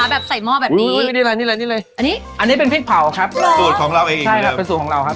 แบบใส่หม้อแบบนี้อันนี้อันนี้เป็นเพียงเผาครับสูตรของเราเองใช่ครับ